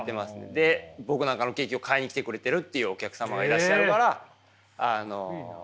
で僕なんかのケーキを買いに来てくれてるっていうお客様がいらっしゃるからケーキも売れるっていう感じですね。